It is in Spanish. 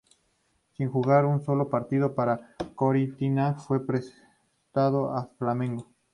Sin jugar un solo partido para Corinthians, fue prestado a Flamengo.